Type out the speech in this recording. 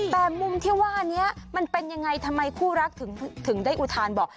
แต่มุมที่ว่านี้มันเป็นยังไงทำไมคู่รักถึงได้อุทานบอก